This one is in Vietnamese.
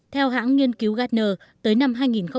theo hãng nghiên cứu gartner tới năm hai nghìn hai mươi